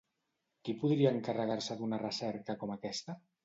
Qui podria encarregar-se d'una recerca com aquesta?